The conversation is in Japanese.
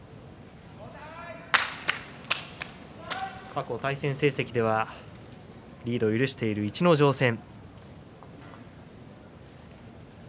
過去、対戦成績ではリードを許している逸ノ城戦。